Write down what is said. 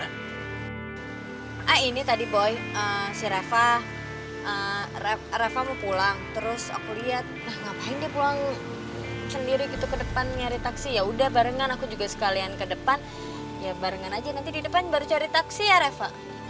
nah ini tadi boy si reva rafa mau pulang terus aku lihat nah ngapain dia pulang sendiri gitu ke depan nyari taksi yaudah barengan aku juga sekalian ke depan ya barengan aja nanti di depan baru cari taksi ya reva